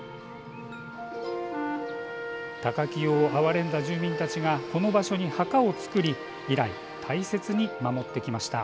高清をあわれんだ住民たちがこの場所に墓を作り以来、大切に守ってきました。